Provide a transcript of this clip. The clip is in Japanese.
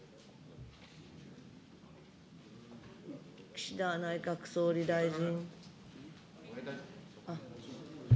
岸田内閣総理大臣。